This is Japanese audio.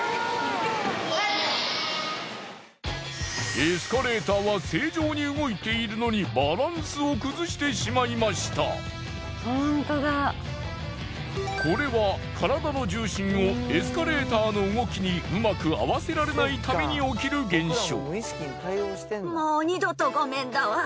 エスカレーターはこれは体の重心をエスカレーターの動きにうまく合わせられないために起きる現象。